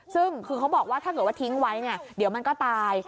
ซึ่งคือเขาบอกว่าถ้าเกิดว่าทิ้งไว้เนี่ยเดี๋ยวมันก็ตาย